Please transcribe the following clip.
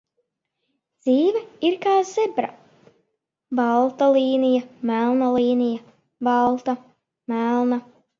Dzīve ir kā zebra, balta līnija, melna līnija, balta, melna